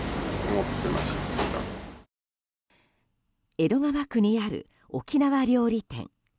江戸川区にある沖縄料理店。